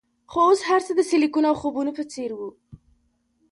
خو اوس هرڅه د سیلیکون او خوبونو په څیر وو